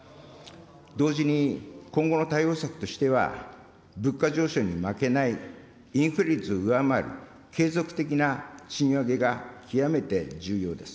同時に、今後の対応策としては、物価上昇に負けないインフレ率を上回る継続的な賃上げが極めて重要です。